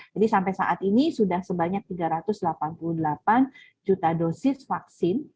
jadi sampai saat ini sudah sebanyak tiga ratus delapan puluh delapan juta dosis vaksin